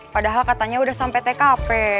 padahal katanya udah sampai tkp